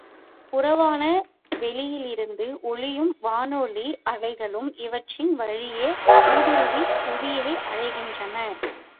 புறவான வெளியிலிருந்து ஒளியும் வானொலி அலைகளும் இவற்றின் வழியே ஊடுருவிப் புவியை அடைகின்றன.